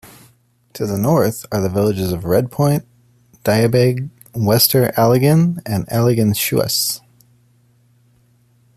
To the north are the villages of Redpoint, Diabaig, Wester Alligin and Alligin Shuas.